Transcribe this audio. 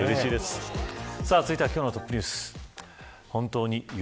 さあ続いては今日のトップニュース。